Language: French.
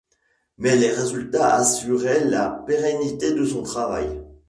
Mais les résultats assuraient la pérennité de son travail.